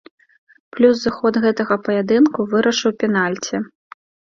Плюс зыход гэтага паядынку вырашыў пенальці.